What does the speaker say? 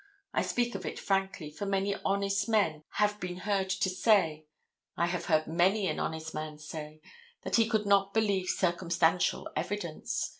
I speak of it frankly, for many honest men have been heard to say—I have heard many an honest man say, that he could not believe circumstantial evidence.